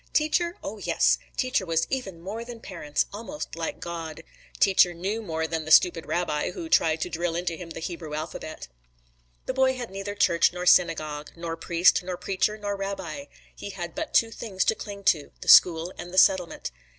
"Teacher? O yes! teacher was even more than parents, almost like God. Teacher knew more than the stupid rabbi, who tried to drill into him the Hebrew alphabet." The boy had neither church nor synagogue, nor priest nor preacher nor rabbi; he had but two things to cling to, the school and the settlement.